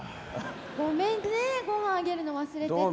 ごめんねごはんあげるの忘れてて。